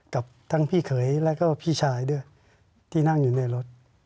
กับทั้งพี่เขยแล้วก็พี่ชายด้วยที่นั่งอยู่ในรถ